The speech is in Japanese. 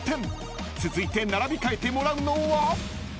［続いて並び替えてもらうのは？］